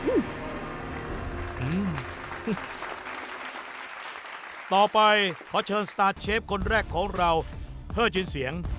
อื้อต่อไปขอเชิญสตาร์ทเชฟคนแรกของเราเฮอร์จินเสียง